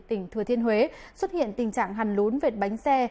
tỉnh thừa thiên huế xuất hiện tình trạng hằn lốn vệt bánh xe